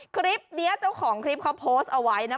คลิปนี้เจ้าของคลิปเขาโพสต์เอาไว้นะ